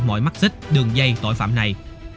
mọi mắc xích đường dây tội phạm này